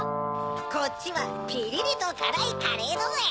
こっちはピリリとからいカレーだぜ！